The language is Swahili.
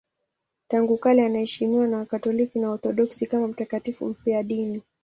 Tangu kale anaheshimiwa na Wakatoliki na Waorthodoksi kama mtakatifu mfiadini.